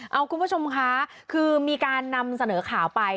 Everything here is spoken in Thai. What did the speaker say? เอาคุณผู้ชมคะคือมีการนำเสนอข่าวไป